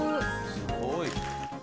「すごい！」